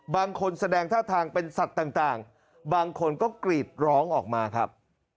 แสดงท่าทางเป็นสัตว์ต่างบางคนก็กรีดร้องออกมาครับ